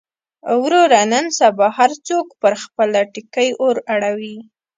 وروره نن سبا هر څوک پر خپله ټکۍ اور اړوي.